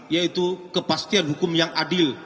yaitu kepastian hukum yang adil